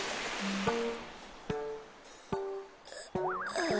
ああ。